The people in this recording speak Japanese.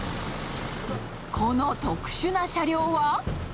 この特殊な車両は？